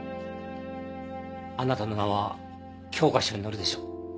あなたの名は教科書に載るでしょう。